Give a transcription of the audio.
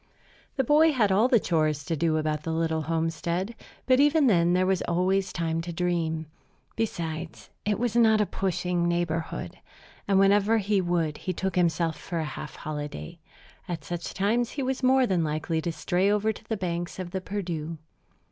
The boy had all the chores to do about the little homestead; but even then there was always time to dream. Besides, it was not a pushing neighborhood; and whenever he would he took for himself a half holiday. At such times he was more than likely to stray over to the banks of the Perdu.